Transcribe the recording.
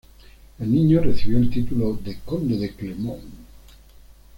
El niño recibió el título de conde de Clermont.